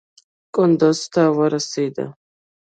کندوز ته ورسېد.